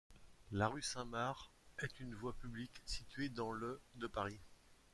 La rue Saint-Marc est une voie publique située dans le de Paris.